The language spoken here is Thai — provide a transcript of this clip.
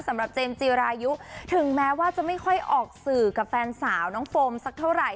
เจมส์จีรายุถึงแม้ว่าจะไม่ค่อยออกสื่อกับแฟนสาวน้องโฟมสักเท่าไหร่